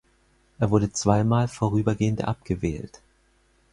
Er wurde zweimal vorübergehend abgewählt.